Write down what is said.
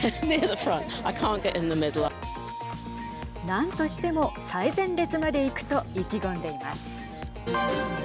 何としても最前列まで行くと意気込んでいます。